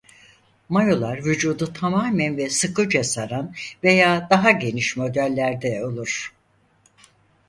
Mayolar vücudu tamamen ve sıkıca saran veya daha geniş modeller de olur.